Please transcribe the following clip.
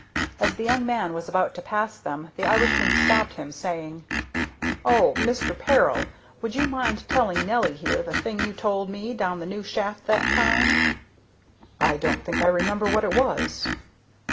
As the young man was about to pass them the Irishman stopped him, saying: "Oh, Mister Peril, would you mind telling Nelly here the thing you told me down the new shaft that time?" "I don't think I remember what it was."